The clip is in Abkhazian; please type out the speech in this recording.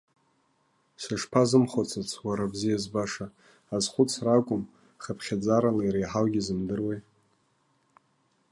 Сышԥазымхәыцыц, уара бзиа збаша, азхәыцра акәым, хыԥхьаӡарала иреиҳаугьы зымдыруеи.